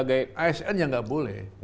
asn ya enggak boleh